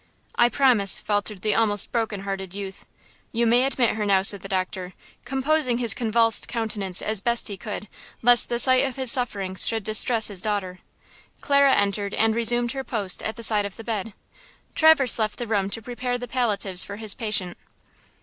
"I promise," faltered the almost broken hearted youth. "You may admit her now," said the doctor, composing his convulsed countenance at best he could, lest the sight of his sufferings should distress his daughter. Clara entered, and resumed her post at the side of the bed. Traverse left the room to prepare the palliatives for his patient.